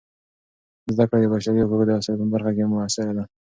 زده کړه د بشري حقونو د اصل په برخه کې مؤثره ده.